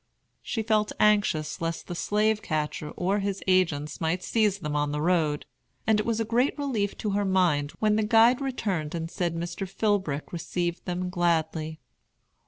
She felt anxious lest the slave catcher or his agents might seize them on the road, and it was a great relief to her mind when the guide returned and said Mr. Philbrick received them gladly.